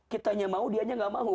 kita hanya mau dianya tidak mau